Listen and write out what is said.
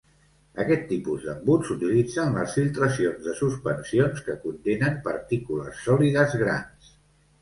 Aquest tipus d'embut s'utilitza en les filtracions de suspensions que contenen partícules sòlides grans.